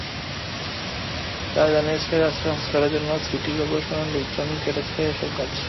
তারা জানিয়েছে, রাস্তা সংস্কারের জন্য সিটি করপোরেশনের লোকজন কেটেছে এসব গাছ।